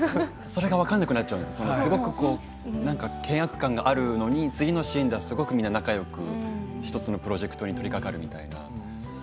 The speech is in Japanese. それが分からなくなっちゃうすごい険悪感があるのに次のシーンではみんな仲よく１つのプロジェクトに取りかかるみたいな。